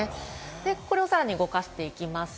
これをさらに動かしていきます。